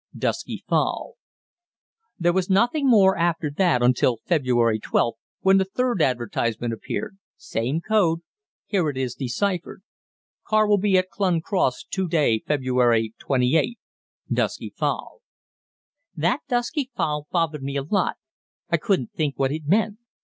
Dusky Fowl_." There was nothing more after that until February 12th, when the third advertisement appeared, same code, here it is deciphered: "Car will be at Clun Cross two day February 28. Dusky Fowl." "That 'Dusky Fowl' bothered me a lot. I couldn't think what it meant.